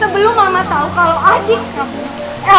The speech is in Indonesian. sebelum mama tau kalo adik kamu